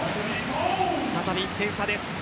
再び１点差です。